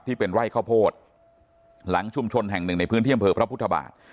ที่เป็นไร่ข้าวโพดหลังชุมชนแห่งหนึ่งในพื้นที่อำเภอพระพุทธบาท